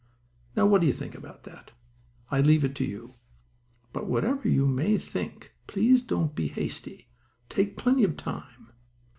Now what do you think about it? I leave it to you. But whatever you may think please don't be hasty. Take plenty of time.